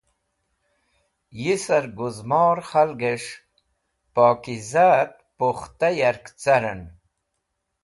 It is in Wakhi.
Yisar gũzmor k̃halgẽs̃h pokizaẽt pukhta Yark carẽn.